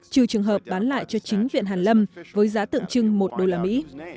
trừ trường hợp bán lại cho chính viện hàn lâm với giá tượng trưng một đô la mỹ